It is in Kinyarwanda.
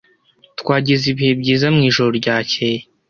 Twagize ibihe byiza mwijoro ryakeye.